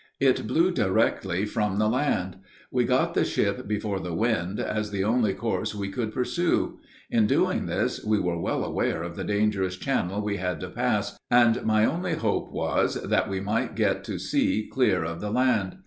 It blew directly from the land. We got the ship before the wind, as the only course we could pursue. In doing this we were well aware of the dangerous channel we had to pass, and my only hope was, that we might get to sea clear of the land.